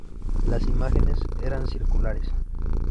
Las imágenes eran circulares.